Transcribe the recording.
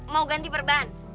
mau ganti perban